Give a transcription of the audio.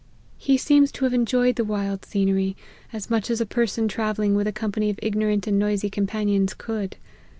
He seems to have enjoyed the wild scenery, as much as a person travelling with a company of ignorant and noisy companions could.